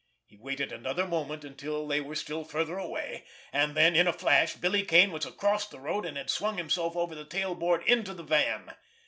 He waited another moment until they were still further away—and then, in a flash, Billy Kane was across the road, and had swung himself over the tail board into the van.